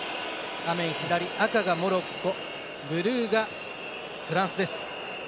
画面左、赤がモロッコブルーがフランスです。